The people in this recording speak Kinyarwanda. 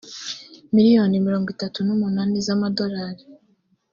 miliyoni mirongo itatu n umunani z amadolari